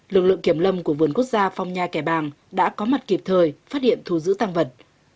lực lượng kiểm lâm của vườn quốc gia phong nha kẻ bàng đã có mặt kịp thời phát hiện thu giữ tăng vật